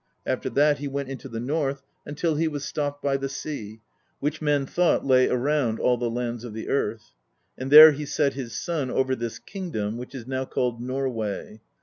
After that he went into the north, until he was stopped by the sea, which men thought lay around all the lands of the earth; and there he set his son over this king dom, which is now called Norway.